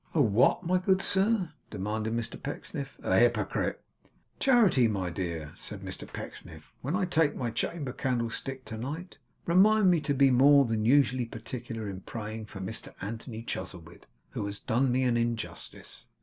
'A what, my good sir?' demanded Mr Pecksniff. 'A hypocrite.' 'Charity, my dear,' said Mr Pecksniff, 'when I take my chamber candlestick to night, remind me to be more than usually particular in praying for Mr Anthony Chuzzlewit; who has done me an injustice.